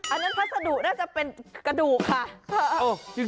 อันนั้นพัสดุน่าจะเป็นกระดูกค่ะ